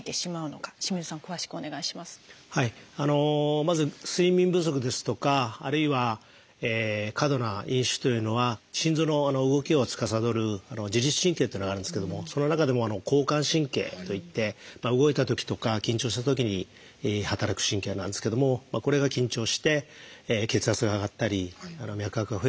まず睡眠不足ですとかあるいは過度な飲酒というのは心臓の動きをつかさどる自律神経というのがあるんですけどもその中でも交感神経といって動いたときとか緊張したときに働く神経なんですけどもこれが緊張して血圧が上がったり脈拍が増えたりします。